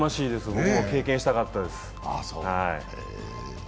僕も経験したかったです。